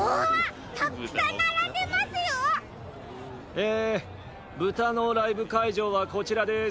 え豚のライブかいじょうはこちらです。